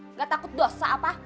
nggak takut dosa apa